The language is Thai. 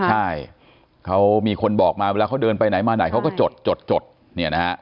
ใช่เขามีคนบอกมาเวลาเขาเดินไปไหนมาไหนเขาก็จดจดจดเนี่ยนะฮะ